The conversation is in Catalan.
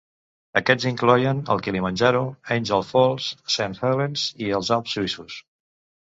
Aquests incloïen el Kilimanjaro, Angel Falls, Saint Helens i els Alps suïssos.